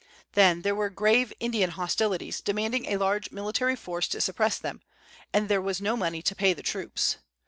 Then there were grave Indian hostilities demanding a large military force to suppress them, and there was no money to pay the troops.